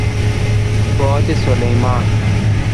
باد سلیمان